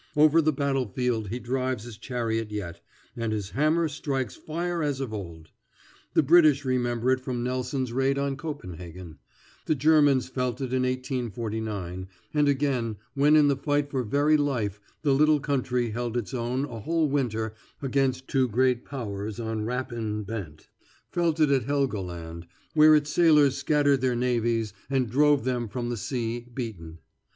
Over the battlefield he drives his chariot yet, and his hammer strikes fire as of old. The British remember it from Nelson's raid on Copenhagen; the Germans felt it in 1849, and again when in the fight for very life the little country held its own a whole winter against two great powers on rapine bent; felt it at Helgoland where its sailors scattered their navies and drove them from the sea, beaten.